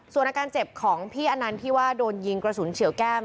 ส่วนอาการเจ็บของพี่อนันต์ที่ว่าโดนยิงกระสุนเฉียวแก้ม